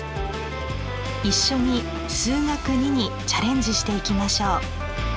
一緒に数学Ⅱにチャレンジしていきましょう。